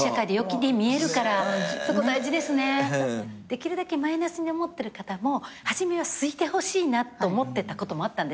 できるだけマイナスに思ってる方も初めは好いてほしいなって思ってたこともあったんです。